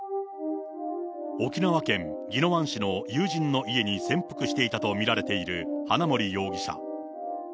沖縄県宜野湾市の友人の家に潜伏していたと見られている花森容疑者。